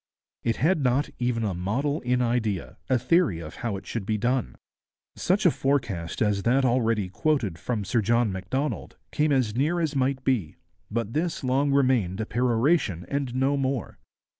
It had not even a model in idea, a theory of how it should be done. Such a forecast as that already quoted from Sir John Macdonald came as near as might be, but this long remained a peroration and no more.